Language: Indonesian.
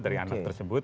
dari anak tersebut